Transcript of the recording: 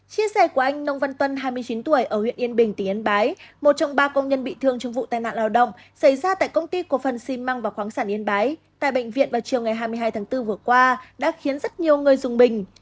chiếc xe của anh nông văn tuân hai mươi chín tuổi ở huyện yên bình tỉ yên bái một trong ba công nhân bị thương trong vụ tai nạn lao động xảy ra tại công ty cổ phần xi măng và khoáng sản yên bái tại bệnh viện vào chiều ngày hai mươi hai tháng bốn vừa qua đã khiến rất nhiều người dùng bình